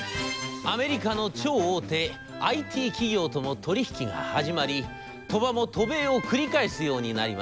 アメリカの超大手ＩＴ企業とも取り引きが始まり鳥羽も渡米を繰り返すようになります。